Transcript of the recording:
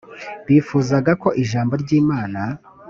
bifuzaga ko ijambo ry imana